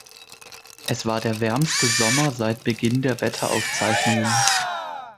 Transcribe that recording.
Es war der wärmste Sommer seit Beginn der Wetteraufzeichnungen.